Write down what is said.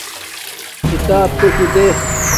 کھیتاپ کوشو دے